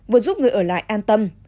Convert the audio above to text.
vừa giúp người ở lại an tâm